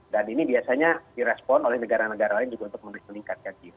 dan ini biasanya direspon oleh negara negara lain juga untuk meningkatkan yield